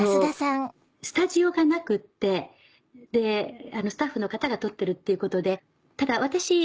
スタジオがなくってスタッフの方が撮ってるっていうことでただ私